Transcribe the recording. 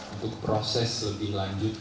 untuk proses lebih lanjut